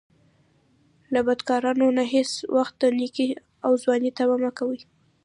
له بدکارو نه هیڅ وخت د نیکۍ او ځوانۍ طمعه مه کوه